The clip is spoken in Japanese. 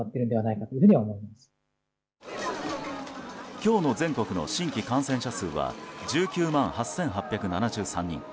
今日の全国の新規感染者数は１９万８８７３人。